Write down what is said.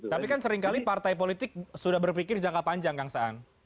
tapi kan seringkali partai politik sudah berpikir jangka panjang kang saan